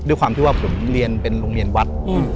ด้วยความที่ว่าผมเรียนเป็นโรงเรียนวัด